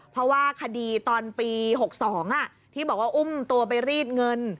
เพราะว่าคดีตอนปี๖๒ที่บอกว่าอุ้มตัวไปรีดเงิน